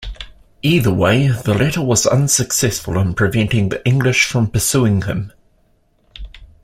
Either way, the letter was unsuccessful in preventing the English from pursuing him.